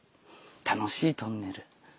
楽しいトンネル。